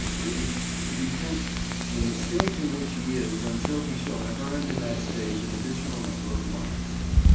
(3) To detention in the stage in which he is until he shall have earned in that stage an additional number of marks.